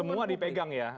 semua dipegang ya